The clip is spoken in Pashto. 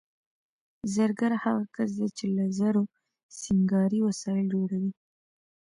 زرګر هغه کس دی چې له زرو سینګاري وسایل جوړوي